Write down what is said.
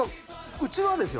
うちはですよ？